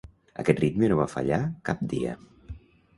Aquest ritme no va fallar cap dia.